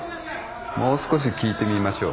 もう少し聞いてみましょう。